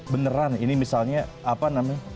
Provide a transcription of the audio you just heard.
beneran ini misalnya apa namanya